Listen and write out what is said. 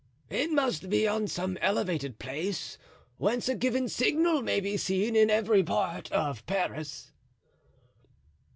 "It must be on some elevated place, whence a given signal may be seen in every part of Paris."